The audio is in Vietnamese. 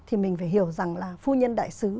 thì mình phải hiểu rằng là phu nhân đại sứ